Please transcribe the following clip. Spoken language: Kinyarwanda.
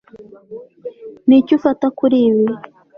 Niki ufata kuri ibi